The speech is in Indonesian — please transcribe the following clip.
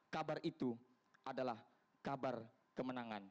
kabar itu adalah kabar kemenangan